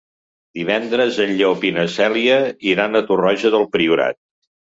Divendres en Llop i na Cèlia iran a Torroja del Priorat.